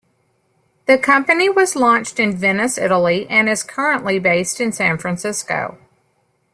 The company was launched in Venice, Italy, and is currently based in San Francisco.